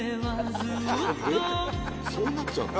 ・えっそうなっちゃうんだ・